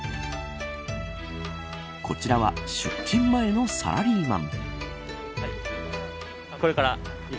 こちらは出勤前のサラリーマン。